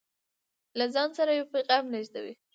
له ځان سره يو پيغام لېږدوي